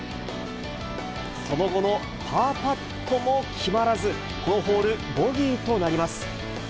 その後のパーパットも決まらず、このホール、ボギーとなります。